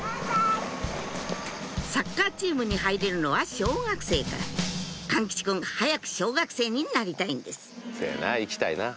サッカーチームに入れるのは小学生から貫吉くん早く小学生になりたいんですせやな行きたいな。